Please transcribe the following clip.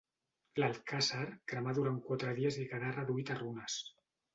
L'alcàsser cremà durant quatre dies i quedà reduït a runes.